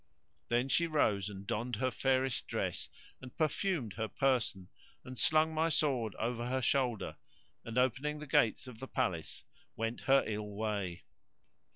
Then she rose and donned her fairest dress and perfumed her person and slung my sword over her shoulder; and, opening the gates of the palace, went her ill way.